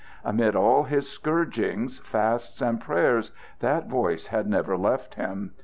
Amid all his scourgings, fasts, and prayers that voice had never left him.